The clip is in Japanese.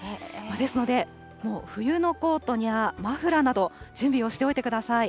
ですので、もう冬のコートやマフラーなど、準備をしておいてください。